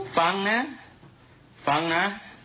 ฟังนะฟังนะ